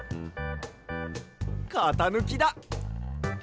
かたぬきだ。